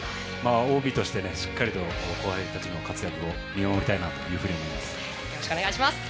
ＯＢとして、しっかりと後輩たちの活躍を見守りたいなと思います。